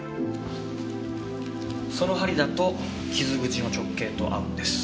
その針だと傷口の直径と合うんです。